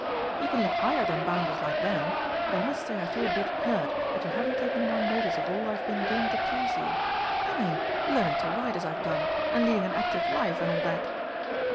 '" "You can look higher than bounders like them. And I must say I feel a bit hurt, that you haven't taken more notice of all I've been doing to please you. I mean, learning to ride as I've done, and leading an active life, and all that."